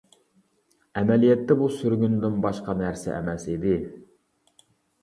ئەمەلىيەتتە بۇ سۈرگۈندىن باشقا نەرسە ئەمەس ئىدى.